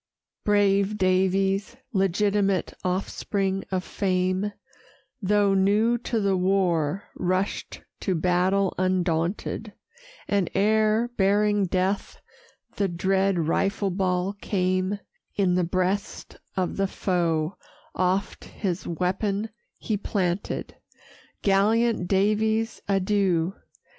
Brave Daviess, legitimate offspring of fame, Though new to the war, rush'd to battle undaunted; And ere, bearing death, the dread rifle ball came, In the breast of the foe oft his weapon he planted. Gallant Daviess, adieu!